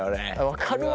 分かるわ。